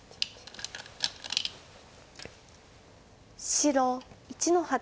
白１の八。